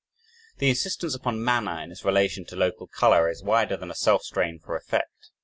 The insistence upon manner in its relation to local color is wider than a self strain for effect.